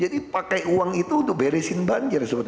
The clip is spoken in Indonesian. jadi pakai uang itu untuk beresin banjir